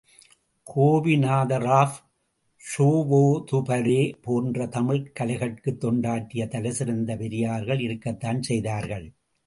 கோபிநாதராவ் ஷோவோதுபரே, போன்ற தமிழ்க் கலைகட்கு தொண்டாற்றிய தலைசிறந்த பெரியார்கள் இருக்கத்தான் செய்தார்கள்.